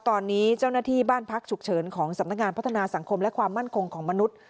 ตอนนี้เจ้าหน้าที่บ้านพักฉุกเฉินของสำนักงานพัฒนาสังคมและความมั่นคงของมนุษย์